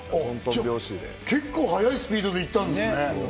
じゃあ結構早いスピードで行ったんですね。